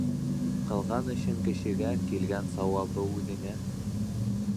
Ҡылған эшең кешегә, килгән сауабы үҙеңә.